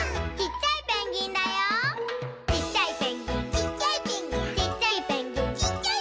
「ちっちゃいペンギン」